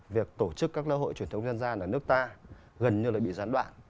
việc tổ chức các lễ hội truyền thống dân gian ở nước ta gần như là bị gián đoạn